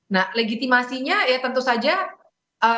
nah legitimasinya ya tentu saja akan sangat berpengaruh